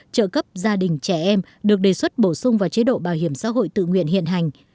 trợ cấp gia đình trẻ em được đề xuất bổ sung vào chế độ bảo hiểm xã hội tự nguyện hiện hành